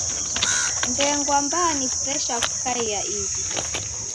Ndengwa mbaa ni presha kukaia ighu.